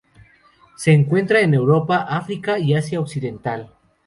Se encuentra en Europa, África y Asia occidental.